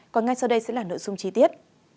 còn ngay sau đây sẽ là nội dung chi tiết